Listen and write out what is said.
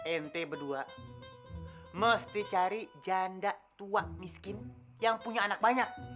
nt berdua mesti cari janda tua miskin yang punya anak banyak